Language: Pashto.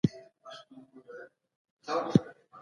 که باران ونه وري زه به کتابتون ته ولاړ سم.